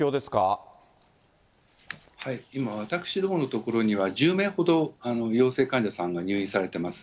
今、私どもの所には１０名ほど陽性患者さんが入院されてます。